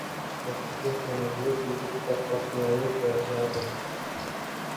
• Ho‘kizga semizlik, yigitga qotmalik yarashadi.